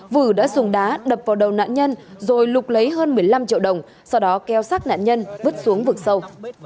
vữ đã dùng đá đập vào đầu nạn nhân rồi lục lấy hơn một mươi năm triệu đồng sau đó keo sát nạn nhân vứt xuống vực sâu